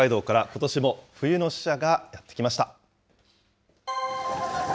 ことしも冬の使者がやって来ました。